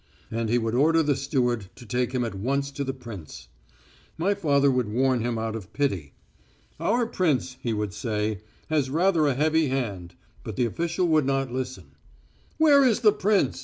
And he would order the steward to take him at once to the prince. My father would warn him out of pity. "Our prince," he would say, "has rather a heavy hand." But the official would not listen. "Where is the prince?"